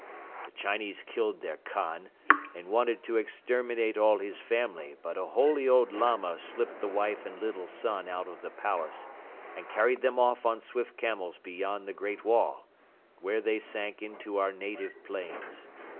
The Chinese killed their Khan and wanted to exterminate all his family but a holy old Lama slipped the wife and little son out of the palace and carried them off on swift camels beyond the Great Wall, where they sank into our native plains.